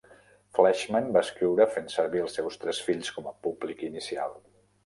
Fleschman va escriure fent servir els seus tres fills com a públic inicial.